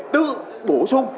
tự bổ sung